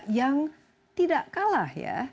yang tidak kalah ya